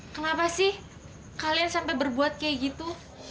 kenapa sih kalian sampai berbuat kayak gitu